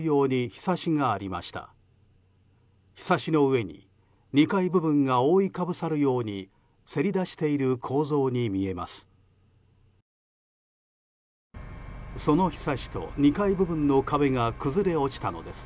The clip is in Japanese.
ひさしの上に２階部分が覆いかぶさるようにせり出している構造に見えます。